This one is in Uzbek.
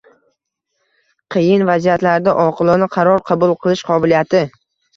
Qiyin vaziyatlarda oqilona qaror qabul qilish qobiliyati.